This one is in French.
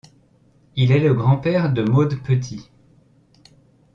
Il est le grand-père de Maud Petit.